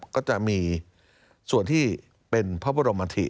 ก็จะมีส่วนที่เป็นพระบรมธิ